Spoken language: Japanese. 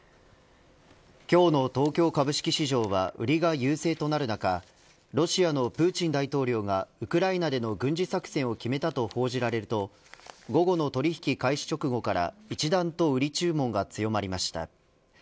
今日の東京株式市場は売りが優勢となる中ロシアのプーチン大統領がウクライナでの軍事作戦を決めたと報じられると午後の取引開始直後から一段と売り注文が強まりました。